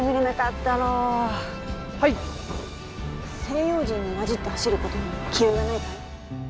西洋人に交じって走ることに気負いはないかい？